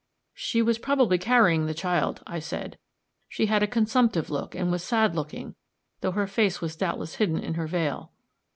"She was probably carrying the child," I said; "she had a consumptive look, and was sad looking, though her face was doubtless hidden in her vail."